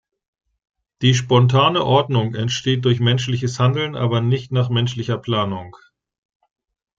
Die spontane Ordnung entsteht durch menschliches Handeln, aber nicht nach menschlicher Planung.